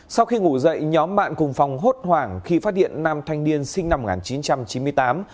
sau khi ngủ dậy nhóm bạn cùng phòng hốt hoảng khi phát hiện nam thanh niên sinh năm một nghìn chín trăm chín mươi tám